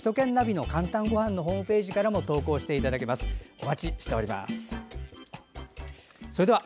首都圏ナビの「かんたんごはん」のホームページからも投稿していただけます。